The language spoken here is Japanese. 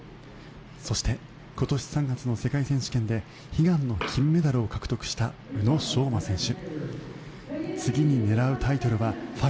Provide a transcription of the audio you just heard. そして、今年３月の世界選手権で悲願の金メダルを獲得した宇野昌磨選手。